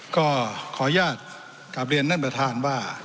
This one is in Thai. ก็ขออนุญาตกลับเรียนท่านประธานว่า